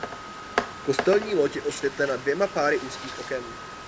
Kostelní loď je osvětlena dvěma páry úzkých oken.